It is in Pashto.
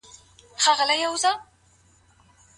د رسول الله د ستنېدو اصلي سبب څه وو؟